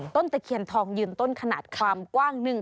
ตะเคียนทองยืนต้นขนาดความกว้างหนึ่ง